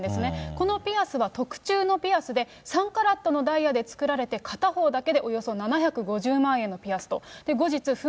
このピアスは特注のピアスで、３カラットのダイヤで作られて、片方だけでおよそ７５０万円のピアスと。